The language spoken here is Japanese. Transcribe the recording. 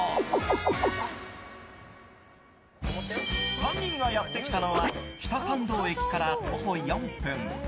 ３人がやってきたのは北参道駅から徒歩４分。